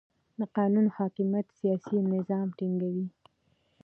د قانون حاکمیت سیاسي نظم ټینګوي